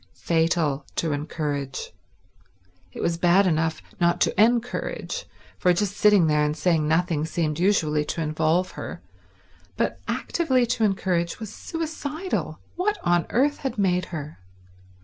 Fatal to encourage. It was bad enough not to encourage, for just sitting there and saying nothing seemed usually to involve her, but actively to encourage was suicidal. What on earth had made her?